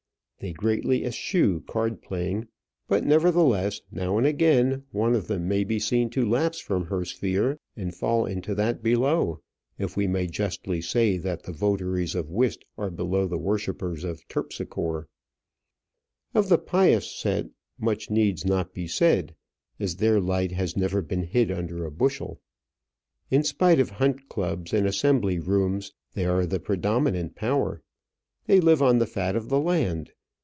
They greatly eschew card playing; but, nevertheless, now and again one of them may be seen to lapse from her sphere and fall into that below, if we may justly say that the votaries of whist are below the worshippers of Terpsichore. Of the pious set much needs not be said, as their light has never been hid under a bushel. In spite of hunt clubs and assembly rooms, they are the predominant power. They live on the fat of the land.